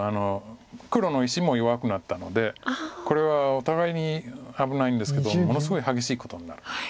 黒の石も弱くなったのでこれはお互いに危ないんですけどものすごい激しいことになる。